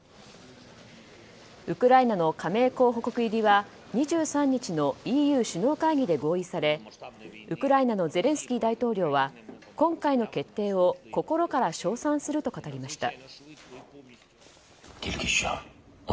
ウクライナの加盟候補国入りは２３日のＥＵ首脳会議で合意されウクライナのゼレンスキー大統領は今回の決定を心から称賛すると語りました。